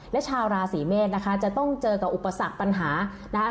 และชาวราศีเมษนะคะจะต้องเจอกับอุปสรรคปัญหานะคะ